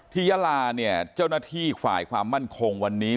ยาลาเนี่ยเจ้าหน้าที่ฝ่ายความมั่นคงวันนี้